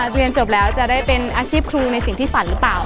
เรียนจบแล้วจะได้เป็นอาชีพครูในสิ่งที่ฝันหรือเปล่า